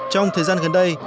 trong thời gian gần đây